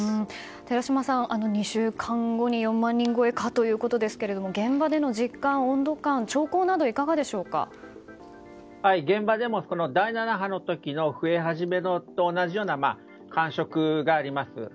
寺嶋さん、２週間後に４万人超えかということですけど現場での実感、温度感兆候などは現場でも第７波の時の増え始めと同じような感触があります。